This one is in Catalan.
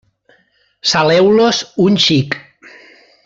Saleu-los un xic.